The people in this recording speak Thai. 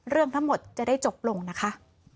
เรื่องทั้งหมดจะได้จบลงนะคะ